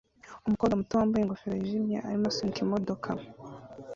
Umukobwa muto wambaye ingofero yijimye arimo asunika imodoka